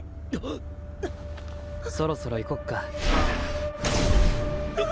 っ⁉っ⁉そろそろ行こっか？